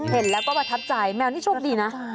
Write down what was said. เห็นแล้วก็ประทับใจแมวนี่โชคดีนะ